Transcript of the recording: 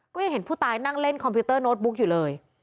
ก็ยังเห็นผู้ตายนั่งเล่นคอมพิวเตอร์โน้ตบุ๊กอยู่เลย